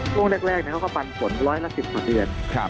ช่วงแรกเขาก็ปันผลร้อยละ๑๐ต่อเดือน